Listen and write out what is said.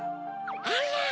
あら！